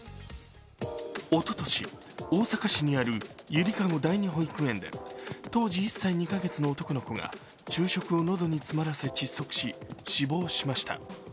おととし、大阪市にあるゆりかご第２保育園で当時１歳２か月の男の子が昼食を喉に詰まらせ窒息し死亡しました。